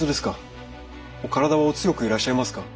お体はお強くいらっしゃいますか。